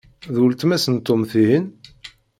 D weltma-s n Tom, tihin?